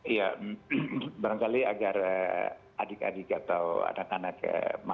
ya barangkali agar adik adik atau anak anak kemas